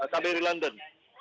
mereka dari london